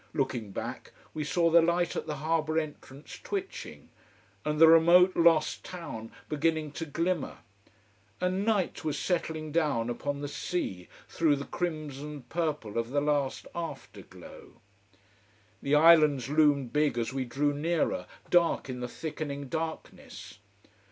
Looking back, we saw the light at the harbour entrance twitching: and the remote, lost town beginning to glimmer. And night was settling down upon the sea, through the crimsoned purple of the last afterglow. The islands loomed big as we drew nearer, dark in the thickening darkness.